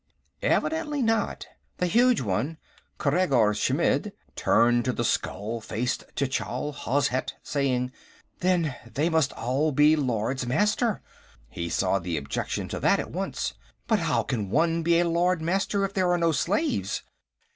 Evidently not. The huge one, Khreggor Chmidd, turned to the skull faced Tchall Hozhet, saying: "Then they must all be Lords Master." He saw the objection to that at once. "But how can one be a Lord Master if there are no slaves?"